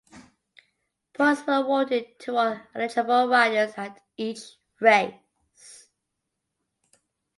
Points were awarded to all eligible riders at each race.